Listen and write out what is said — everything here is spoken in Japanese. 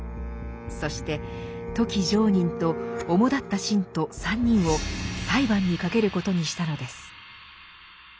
そして富木常忍とおもだった信徒３人を裁判にかけることにしたのです。